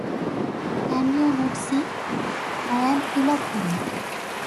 Can you not see - I am eloping!